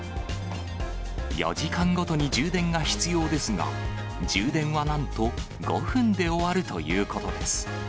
４時間ごとに充電が必要ですが、充電はなんと５分で終わるということです。